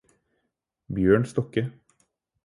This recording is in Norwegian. Bjørn Stokke